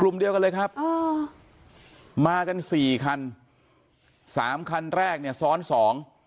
เดียวกันเลยครับอ๋อมากันสี่คันสามคันแรกเนี่ยซ้อนสอง